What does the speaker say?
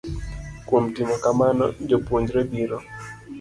Kuom timo kamano, jopuonjre biro